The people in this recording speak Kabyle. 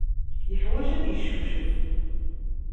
Yeḥwaj ad yeccucef.